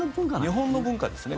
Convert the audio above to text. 日本の文化ですね。